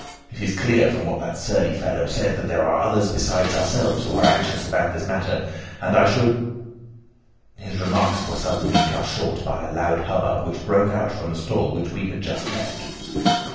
It is clear from what that surly fellow said that there are others besides ourselves who are anxious about the matter, and I should—" His remarks were suddenly cut short by a loud hubbub which broke out from the stall which we had just left.